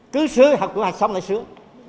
cứ sửa học quy hoạch xong lại sửa